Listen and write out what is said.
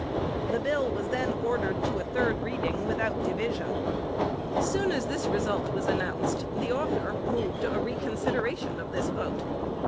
The bill was then ordered to a third reading without division. Soon as this result was announced, the Author moved a reconsideration of this vote.